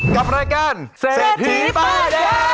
กับรายการเศรษฐีป้ายแดง